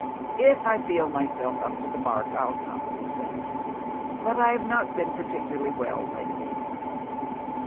" If I feel myself up to the mark, I'll come," he says, " but I Lave not been particularly well lately."